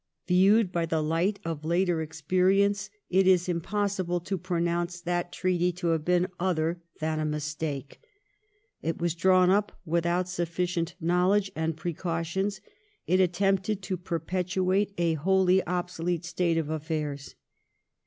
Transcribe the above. Viewed by the light of later experience, it is impossible to pronounce that treaty to have been other than a mistake. It was drawn up without sufficient knowledge and precautions ; it attempted to perpetuate a wholly obsolete state of afi'airs.